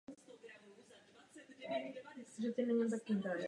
Hornická geologie se stará o proces extrakce minerálních surovin ze země.